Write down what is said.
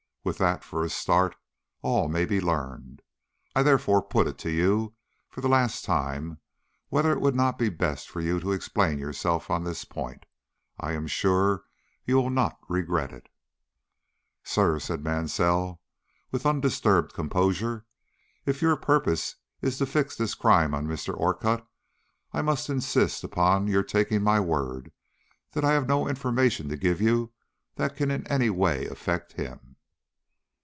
With that for a start, all may be learned. I therefore put it to you for the last time whether it would not be best for you to explain yourself on this point. I am sure you will not regret it." "Sir," said Mansell, with undisturbed composure, "if your purpose is to fix this crime on Mr. Orcutt, I must insist upon your taking my word that I have no information to give you that can in any way affect him."